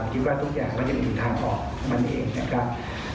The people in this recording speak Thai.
เพื่อให้แคล้วค่าจากการพิกษาให้ดูหลังมีสะอาด